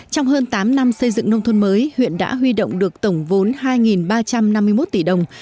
trong hơn tám năm xây dựng nông thôn mới huyện đã huy động được tổng vốn hai ba trăm năm mươi một tỷ đồng